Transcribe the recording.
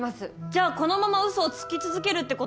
じゃあこのまま嘘をつき続けるって事っすか？